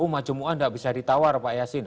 oh majemuan enggak bisa ditawar pak yasin